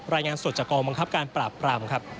รายงานสดจากกองบังคับการปราบปรามครับ